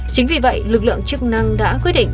chính vì vậy lực lượng chức năng đã quyết định